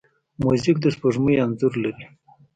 موزیک د سپوږمۍ انځور لري.